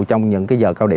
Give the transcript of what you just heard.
trong những giờ cao